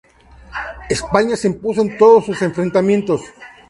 España se impuso en todos sus enfrentamientos.